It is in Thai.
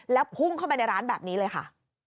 แล้วพุ่งเข้าไปในร้านแบบนี้เลยค่ะ